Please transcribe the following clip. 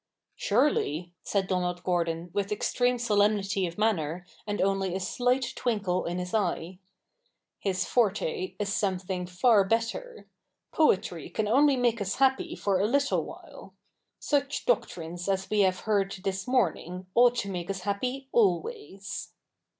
' Surely,' said Donald Gordon with extreme solemnity of manner and only a slight twinkle in his eye, ' his forte is something far better. Poetry can only make us happy for a little while. Such doctrines as we have heard this morning ought to make us happy always.'